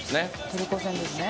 トルコ戦ですね。